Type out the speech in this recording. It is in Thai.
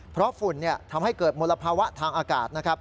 เพราะฝุ่นทำให้เกิดมลภาวะทางอากาศนะครับ